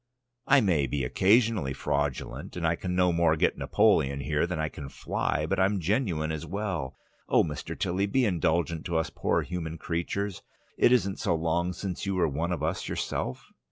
I may be occasionally fraudulent, and I can no more get Napoleon here than I can fly, but I'm genuine as well. Oh, Mr. Tilly, be indulgent to us poor human creatures! It isn't so long since you were one of us yourself."